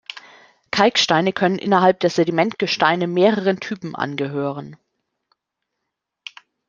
Kalksteine können innerhalb der Sedimentgesteine mehreren Typen angehören.